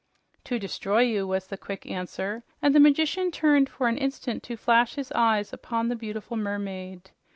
"To destroy you," was the quick answer, and the magician turned for an instant to flash his eyes upon the beautiful mermaid.